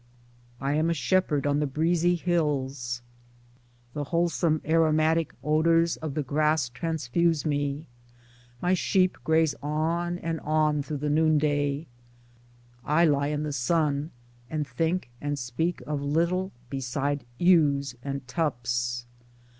I am a shepherd on the breezy hills ; the wholesome aromatic odors of the grass transfuse me ; my sheep graze on and on through the noonday ; I lie in the sun and think and speak of little beside ewes and tups.